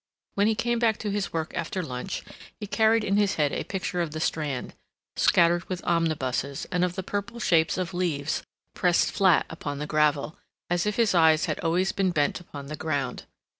When he came back to his work after lunch he carried in his head a picture of the Strand, scattered with omnibuses, and of the purple shapes of leaves pressed flat upon the gravel, as if his eyes had always been bent upon the ground.